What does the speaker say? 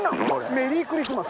メリークリスマス。